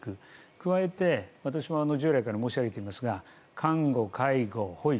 加えて、私は従来から申し上げていますが看護、介護、保育